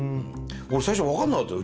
俺最初分かんなかったよ